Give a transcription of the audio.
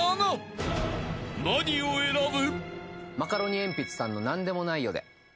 ［何を選ぶ？］